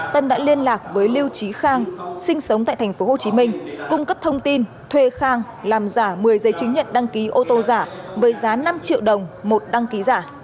tân đã liên lạc với lưu trí khang sinh sống tại tp hcm cung cấp thông tin thuê khang làm giả một mươi giấy chứng nhận đăng ký ô tô giả với giá năm triệu đồng một đăng ký giả